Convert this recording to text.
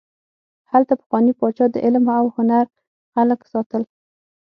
هلته پخواني پاچا د علم او هنر خلک ساتل.